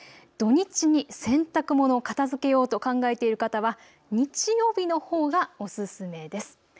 土日に洗濯物を片づけようと考えている方は日曜日のほうがおすすめです。